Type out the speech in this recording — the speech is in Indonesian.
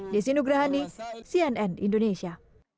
desin ugrahani cnn indonesia